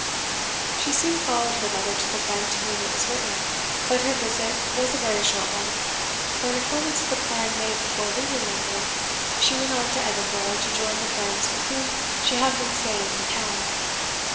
She soon followed her letter to the friend to whom it was written; but her visit was a very short one, for, in accordance with a plan made before leaving London, she went on to Edinburgh to join the friends with whom she had been staying in town.